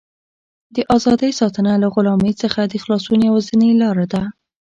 د ازادۍ ساتنه له غلامۍ څخه د خلاصون یوازینۍ لاره ده.